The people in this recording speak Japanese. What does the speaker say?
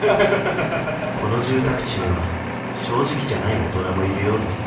この住宅地には正直じゃない大人もいるようです